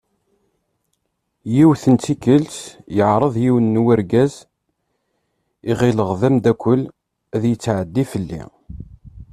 Yiwet n tikkelt yeɛreḍ yiwen n urgaz i ɣileɣ d amddakel ad yetɛeddi fell-i.